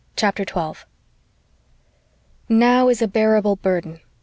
CHAPTER 12 Now is a bearable burden.